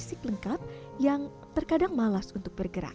fisik lengkap yang terkadang malas untuk bergerak